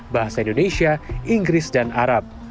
bahasa indonesia inggris dan arab